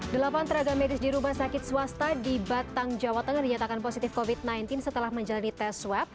delapan tenaga medis di rumah sakit swasta di batang jawa tengah dinyatakan positif covid sembilan belas setelah menjalani tes swab